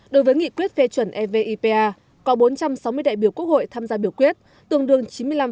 đối với nghị quyết phê chuẩn evipa có bốn trăm sáu mươi đại biểu quốc hội tham gia biểu quyết tương đương chín mươi năm hai mươi bốn